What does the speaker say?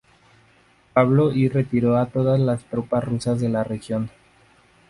Pablo I retiró a todas las tropas rusas de la región.